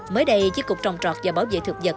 mới đây chiếc cục trồng trọt và bảo vệ thực vật